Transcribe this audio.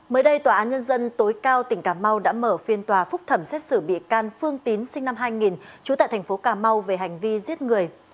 mới đây tòa án nhân dân tối cao tỉnh cà mau đã mở phiên tòa phúc thẩm xét xử bị can phương tín sinh năm hai nghìn trú tại thành phố cà mau về hành vi giết người